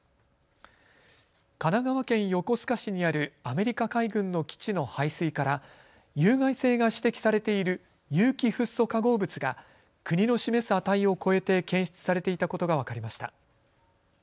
神奈川県横須賀市にあるアメリカ海軍の基地の排水から有害性が指摘されている有機フッ素化合物が国の示す値を超えて検出されていたことが分かりました。